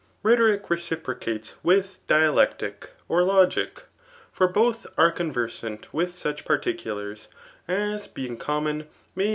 Rhbtoric reciprocates with dialectic [or logic]; for both . are conversant with such particulars^ as being compK^ may